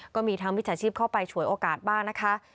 ก็มีทั้งมิจฉาชีพเข้าไปฉวยโอกาสบ้างนะคะ